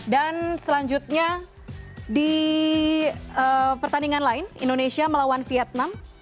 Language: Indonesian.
dan selanjutnya di pertandingan lain indonesia melawan vietnam